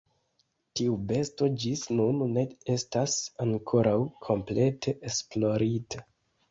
Tiu besto ĝis nun ne estas ankoraŭ komplete esplorita.